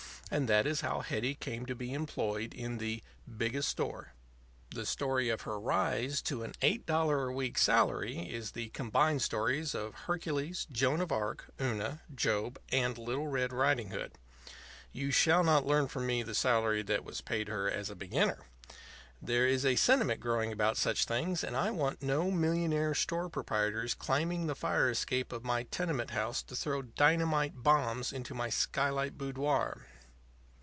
And that is how Hetty came to be employed in the Biggest Store. The story of her rise to an eight dollar a week salary is the combined stories of Hercules, Joan of Arc, Una, Job, and Little Red Riding Hood. You shall not learn from me the salary that was paid her as a beginner. There is a sentiment growing about such things, and I want no millionaire store proprietors climbing the fire escape of my tenement house to throw dynamite bombs into my skylight boudoir.